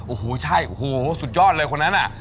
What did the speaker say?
โอ้โหใช่โอ้โหสุดยอดเลยคนนั้นน่ะ